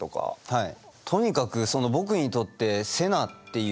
はい。